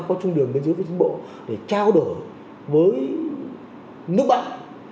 có trung điểm bên dưới phía trung bộ để trao đổi với nước bạn